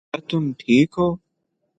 کیا تم ٹھیک ہو